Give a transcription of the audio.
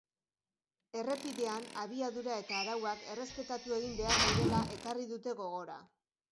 Errepidean abiadura eta arauak errespetatu egin behar direla ekarri dute gogora.